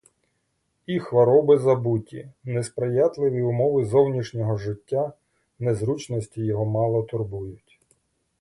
І хвороби забуті, несприятливі умови зовнішнього життя, незручності його мало турбують.